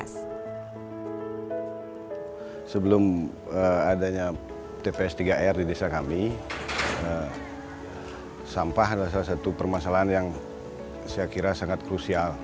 nah sebelum adanya tps tiga r di desa kami sampah adalah salah satu permasalahan yang saya kira sangat krusial